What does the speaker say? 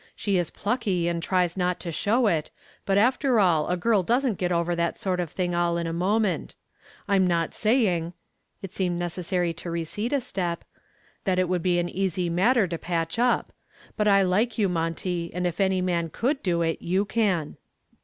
She is plucky and tries not to show it, but after all a girl doesn't get over that sort of thing all in a moment. I am not saying" it seemed necessary to recede a step "that it would be an easy matter to patch up. But I like you, Monty, and if any man could do it, you can."